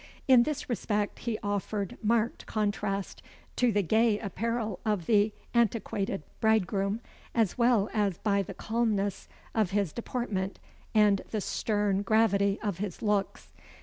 In this respect he offered marked contrast to the gay apparel of the antiquated bridegroom, as well as by the calmness of his deportment and the stern gravity of his looks.